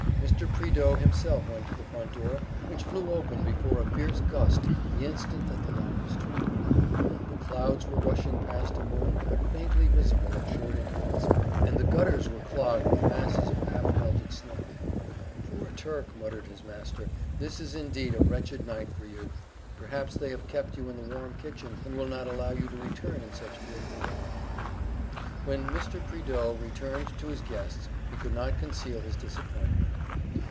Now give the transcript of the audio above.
Mr. Prideaux himself went to the front door, which flew open before a fierce gust the instant that the lock was turned. The clouds were rushing past a moon but faintly visible at short intervals, and the gutters were clogged with masses of half melted snow. "Poor Turk!" muttered his master, "this is indeed a wretched night for you.... Perhaps they have kept you in the warm kitchen, and will not allow you to return in such fearful weather." When Mr. Prideaux returned to his guests he could not conceal his disappointment.